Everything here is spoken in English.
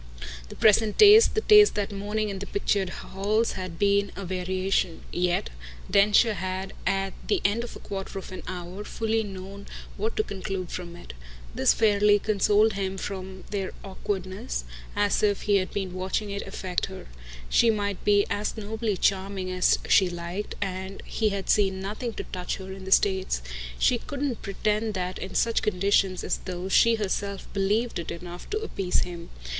The present taste, the taste that morning in the pictured halls, had been a variation; yet Densher had at the end of a quarter of an hour fully known what to conclude from it. This fairly consoled him for their awkwardness, as if he had been watching it affect her. She might be as nobly charming as she liked, and he had seen nothing to touch her in the States; she couldn't pretend that in such conditions as those she herself BELIEVED it enough to appease him.